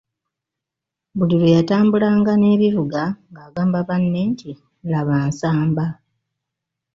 Buli lwe yatambulanga n'ebivuga ng’agamba banne nti, laba Nsamba.